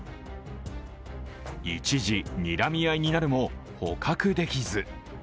一時、にらみ合いになるも、捕獲できず。